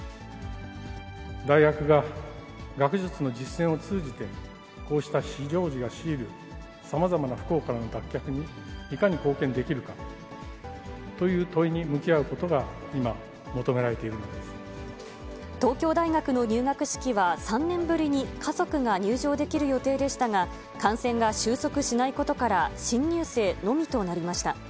大学が学術の実践を通じて、こうした非常時が強いるさまざまな不幸からの脱却に、いかに貢献できるかという問いに向き合うことが今、求められてい東京大学の入学式は、３年ぶりに家族が入場できる予定でしたが、感染が収束しないことから新入生のみとなりました。